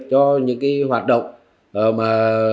cho những hoạt động mà